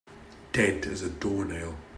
Dead as a doornail